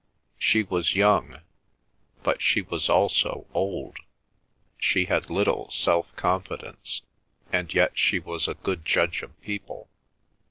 She was young, but she was also old; she had little self confidence, and yet she was a good judge of people.